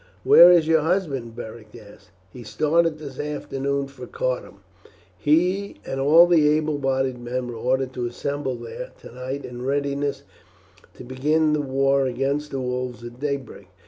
"Where is your husband?" Beric asked. "He started this afternoon for Cardun. He and all the able bodied men were ordered to assemble there tonight in readiness to begin the war against the wolves at daybreak.